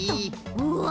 うわ！